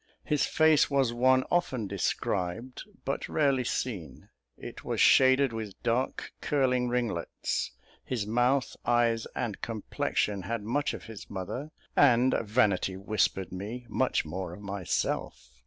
His face was one often described, but rarely seen; it was shaded with dark curling ringlets, his mouth, eyes, and complexion had much of his mother, and, vanity whispered me, much more of myself.